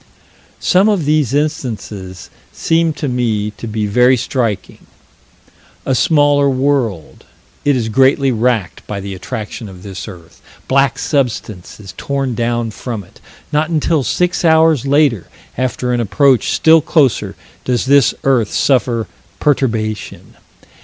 Some of these instances seem to me to be very striking a smaller world: it is greatly racked by the attraction of this earth black substance is torn down from it not until six hours later, after an approach still closer, does this earth suffer perturbation.